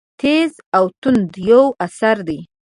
تېز او توند یو اثر دی.